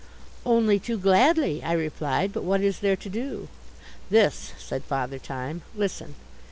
"Only too gladly," I replied. "But what is there to do?" "This," said Father Time, "listen."